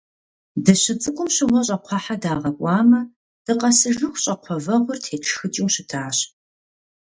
Дыщыцӏыкӏум щыгъуэ щӏакхъуэхьэ дагъакӏуамэ, дыкъэсыжыху, щӏакхъуэ вэгъур тетшхыкӏыу щытащ.